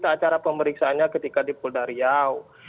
berita acara pemeriksaannya ketika di poldaryaw